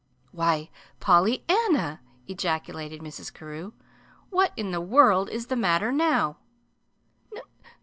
"Why, Pollyanna!" ejaculated Mrs. Carew. "What in the world is the matter now?"